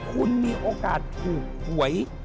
คุณมีโอกาสถูกหวย